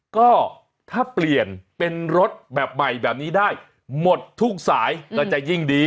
ก็ถ้าเปลี่ยนเป็นรถแบบใหม่แบบนี้ได้หมดทุกสายก็จะยิ่งดี